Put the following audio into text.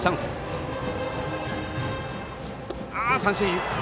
三振。